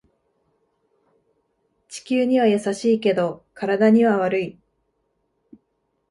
地球には優しいけど体には悪い